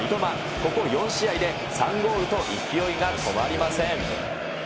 ここ４試合で３ゴールと、勢いが止まりません。